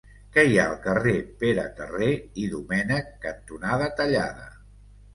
Què hi ha al carrer Pere Terré i Domènech cantonada Tallada?